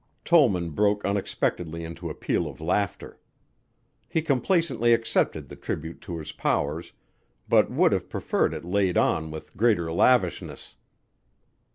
Tollman broke unexpectedly into a peal of laughter. He complacently accepted the tribute to his powers, but would have preferred it laid on with greater lavishness.